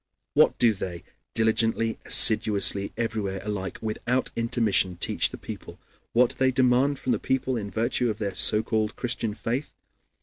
What do they, diligently, assiduously, everywhere alike, without intermission, teach the people? What do they demand from the people in virtue of their (so called) Christian faith?